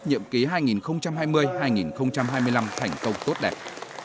nhiệm ký hai nghìn hai mươi hai nghìn hai mươi năm thành công tốt đẹp